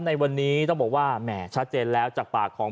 ในวันนี้ต้องบอกว่าแหมชัดเจนแล้วจากปากของ